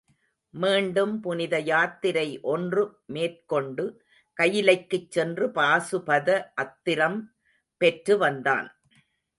மீண்டும் புனித யாத்திரை ஒன்று மேற்கொண்டு கயிலைக்குச் சென்று பாசுபத அத்திரம் பெற்று வந்தான்.